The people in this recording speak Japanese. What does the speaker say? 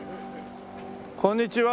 こんにちは。